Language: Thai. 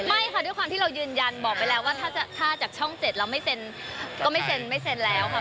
ไม่ค่ะด้วยความที่เรายืนยันบอกไปแล้วว่าถ้าจากช่อง๗เราไม่เซ็นก็ไม่เซ็นไม่เซ็นแล้วค่ะ